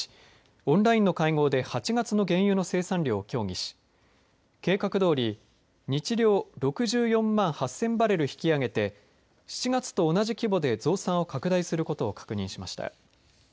オンラインの会合で８月の原油生産量を協議し計画どおり日量６４万８０００バレル引き上げて７月と同じ規模で増産を拡大することを確認しました。